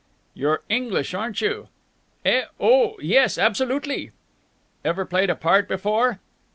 "You're English, aren't you?" "Eh? Oh, yes, absolutely!" "Ever played a part before?"